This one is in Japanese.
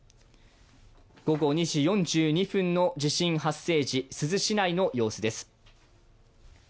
午後２時４２分の地震発生時、珠洲市内の様子です。